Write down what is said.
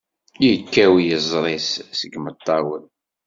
Yekkaw yiẓri-s seg imeṭṭawen.